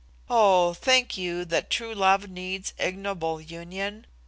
Oh, think you that true love needs ignoble union?